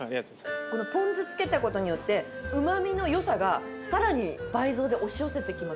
このポン酢つけたことによってうま味の良さがさらに倍増で押し寄せてきますね。